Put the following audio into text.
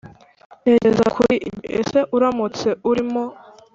Tekereza kuri ibi Ese uramutse urimo